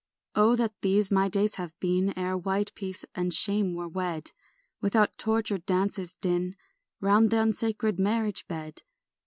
STR. 5 O that these my days had been Ere white peace and shame were wed Without torch or dancers' din Round the unsacred marriage bed!